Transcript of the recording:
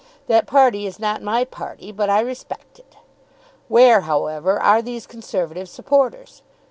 That party is not my party, but I respect it. Where, however, are these Conservative supporters?